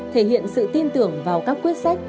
thể hiện sự tin tưởng vào các quyết sách